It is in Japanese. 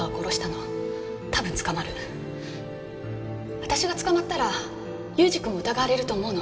私が捕まったら勇司君も疑われると思うの。